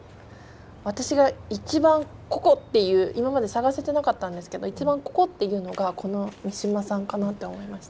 私が一番ここ！っていう今まで探せてなかったんですけど「一番ここ！」っていうのがこの三島さんかなって思いました。